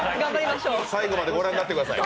最後までご覧になってください。